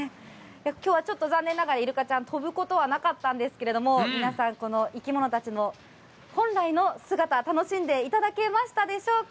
きょうはちょっと残念ながら、イルカちゃん飛ぶことはなかったんですけれども、皆さん、この生き物たちの本来の姿、楽しんでいただけましたでしょうか。